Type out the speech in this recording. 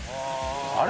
あれ？